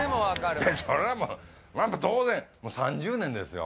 それはもうやっぱ当然もう３０年ですよ？